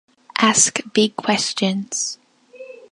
Ask big questions.